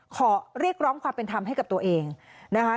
ขอเรียกร้องความเป็นธรรมให้กับตัวเองนะคะ